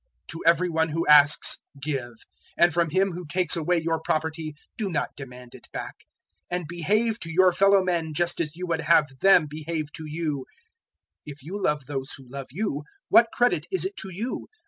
006:030 To every one who asks, give; and from him who takes away your property, do not demand it back. 006:031 And behave to your fellow men just as you would have them behave to you. 006:032 "If you love those who love you, what credit is it to you?